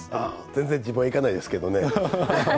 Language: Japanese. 全然、自分は行かないですけどね